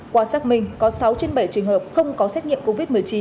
qua xác minh có sáu trên bảy trường hợp không có xét nghiệm covid một mươi chín